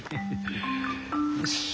よし。